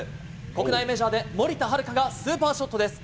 国内メジャーで森田遥がスーパーショットです。